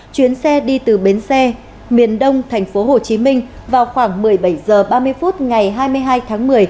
chuyến xe đi từ bến xe miền đông thành phố hồ chí minh vào khoảng một mươi bảy h ba mươi phút ngày hai mươi hai tháng một mươi